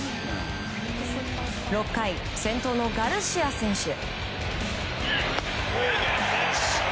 ６回、先頭のガルシア選手。